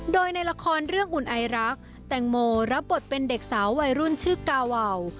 โดยในละครเรื่องอุ่นไอรักแตงโมรับบทเป็นเด็กสาววัยรุ่นชื่อกาวาว